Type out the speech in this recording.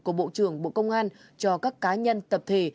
của bộ trưởng bộ công an cho các cá nhân tập thể